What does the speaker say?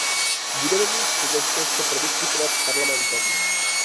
Budeme mít příležitost to prodiskutovat s Parlamentem.